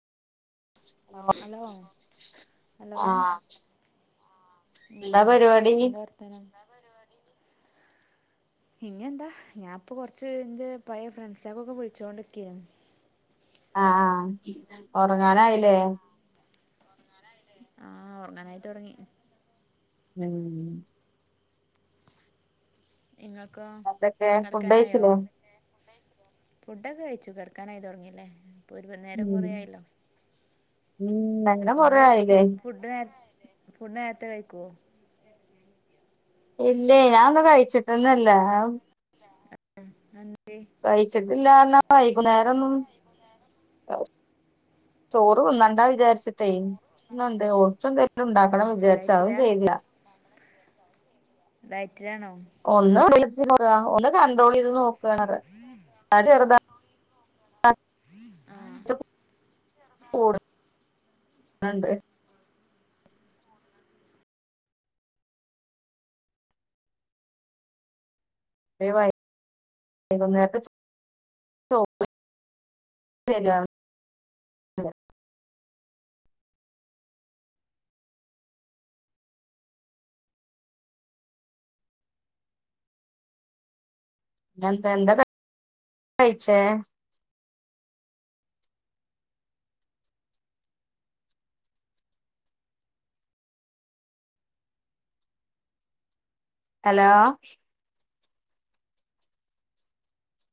[unintelligible] Hello hello ആഹ് എന്താ വർത്തനം [inaudible] ഇഞ്ഞി എന്താ ഞാൻപ്പൊ കൊറച്ച് ഇന്റെ പഴയ ഫ്രണ്ട്സക്കൊക്കെ വിളിച്ചോണ്ടിക്കേൻ ആഹ് ഒറങ്ങാനായില്ലേ? ആഹ് ഒറങ്ങാനായി തൊടങ്ങി [unintelligible] ഇങ്ങ [unintelligible] ക്കേ ഫുഡ് കഴിച്ചിലേ? ഫുഡൊക്കെ കഴിച്ചു കെടക്കാനായി തൊടങ്ങില്ലേ ഇപ്പോൾ നേരം കുറെയായല്ലോ ഉം അങ്ങനെ നിങ്ങൾ കൊറേ ആയില്ലേ ഫുഡ് നേര ഫുഡ് നേരത്തെ കഴിക്കുവോ ഇല്ലേ ഞാൻ ഒന്ന് കഴിച്ചിടൊന്നുമില്ല അതെന്തേ കഴിച്ചിട്ടില്ല പറഞ്ഞാ വൈകുന്നേരൊന്നും ചോറ് ന്നാണ്ടാ വിചാരിച്ചിട്ടേ ഇണ്ട് ഉറച്ചന്തുംണ്ടാക്ക [unintelligible] ആ പണം വിചാർച്ച ഡയറ്റിലാ ചെയ്ല്ല [unintelligible] ആയി ഒന്ന് വി ഒന്ന് കൺണ്ട്രോൾ ചെയ്ത് നോക്ക [unintelligible] [unintelligible] [unintelligible] [unintelligible] എന്താ കയിച്ചേ ഹലോ